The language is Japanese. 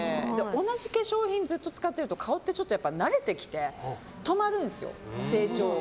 同じ化粧品をずっと使ってると顔ってちょっと慣れてきて止まるんですよ、成長が。